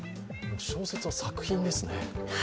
小説、一つの作品ですね。